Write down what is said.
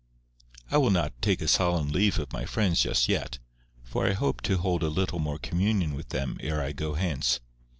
I will not take a solemn leave of my friends just yet. For I hope to hold a little more communion with them ere I go hence.